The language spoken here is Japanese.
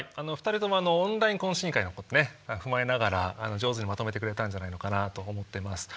２人ともオンライン懇親会のことね踏まえながら上手にまとめてくれたんじゃないのかなと思ってます。